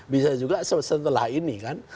bisa juga setelah ini kan